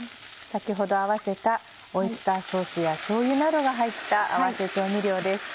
先ほど合わせたオイスターソースやしょうゆなどが入った合わせ調味料です。